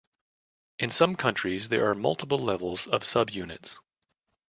In some countries, there are multiple levels of subunits.